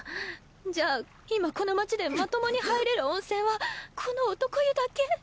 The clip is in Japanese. じゃあ今この町でまともに入れる温泉はこの男湯だけ？